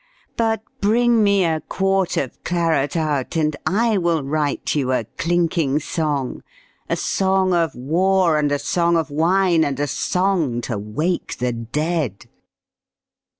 But bring me a quart of claret out, And I will write you a clinking song, A song of war and a song of wine And a song to wake the dead.